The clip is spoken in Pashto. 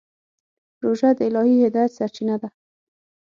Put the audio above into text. روژه د الهي هدایت سرچینه ده.